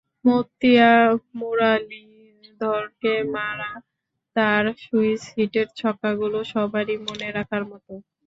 মুত্তিয়া মুরালিধরনকে মারা তার সুইচ হিটের ছক্কাগুলো সবারই মনে থাকার কথা।